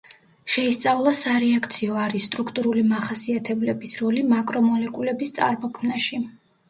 შეისწავლა სარეაქციო არის სტრუქტურული მახასიათებლების როლი მაკრომოლეკულების წარმოქმნაში.